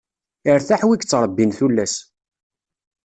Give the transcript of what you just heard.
Iṛtaḥ wi ittṛebbin tullas.